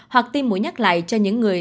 hoặc tiêm mũi nhắc lại cho những người